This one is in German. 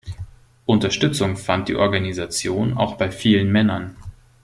Unterstützung fand die Organisation auch bei vielen Männern.